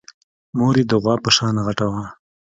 مور يې د غوا په شان غټه وه.